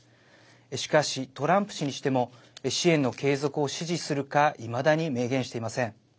しかし、トランプ氏にしても支援の継続を支持するかいまだに明言していません。